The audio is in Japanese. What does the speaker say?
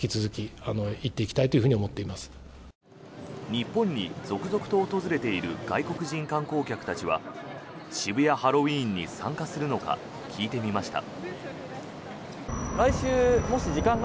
日本に続々と訪れている外国人観光客たちは渋谷ハロウィーンに参加するのか聞いてみました。